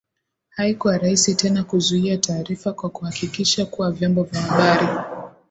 Haikuwa rahisi tena kuzuia taarifa kwa kuhakikisha kuwa vyombo vya habari